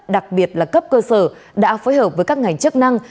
đặc biệt là cấp cơ sở đã phối hợp với các ngành chức năng